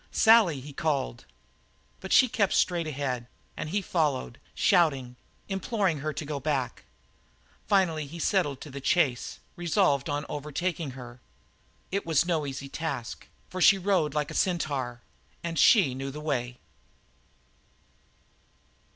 "Sally!" he called. But she kept straight ahead, and he followed, shouting, imploring her to go back. Finally he settled to the chase, resolved on overtaking her. It was no easy task, for she rode like a centaur, and she knew the way.